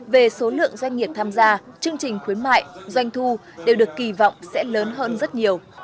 về số lượng doanh nghiệp tham gia chương trình khuyến mại doanh thu đều được kỳ vọng sẽ lớn hơn rất nhiều